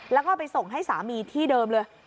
แล้วก็ไปส่งให้สามีที่เดิมเลย